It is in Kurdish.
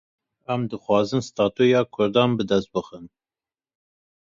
Em dixwazin statuya Kurdan bi dest bixin.